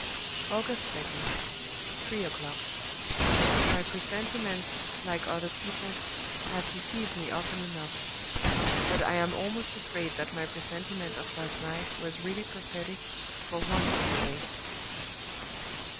"August 2d. Three o'clock. My presentiments, like other people's, have deceived me often enough; but I am almost afraid that my presentiment of last night was really prophetic, for once in a way.